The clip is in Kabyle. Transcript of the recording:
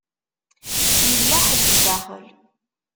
Yella ḥedd sdaxel?